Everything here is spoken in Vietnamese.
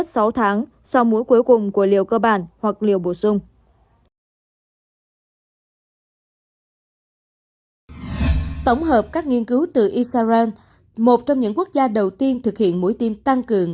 tổng hợp các nghiên cứu từ israel một trong những quốc gia đầu tiên thực hiện mũi tiêm tăng cường